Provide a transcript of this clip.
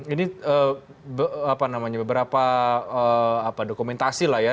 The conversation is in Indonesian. ini apa namanya beberapa dokumentasi lah ya